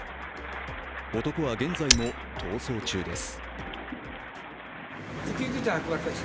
男は、現在も逃走中です。